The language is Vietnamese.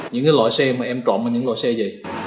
những loại xe mà em trộm là những loại xe gì